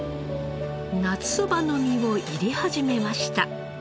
夏そばの実を炒り始めました。